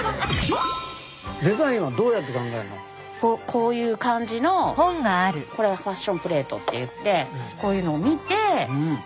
こういう感じのこれはファッションプレートっていってこういうのを見てああ